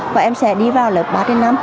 và em sẽ đi vào lớp ba trên năm